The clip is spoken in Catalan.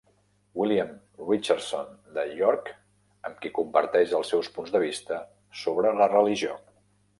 William Richardson de York, amb qui comparteix els seus punts de vista sobre la religió.